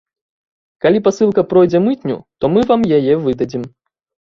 Калі пасылка пройдзе мытню, то мы вам яе выдадзім.